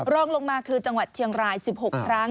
รองลงมาคือจังหวัดเชียงราย๑๖ครั้ง